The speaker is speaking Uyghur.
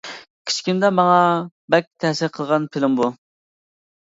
كىچىكىمدە ماڭا باك تەسىر قىلغان فىلىم بۇ.